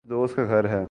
جس دوست کا گھر ہے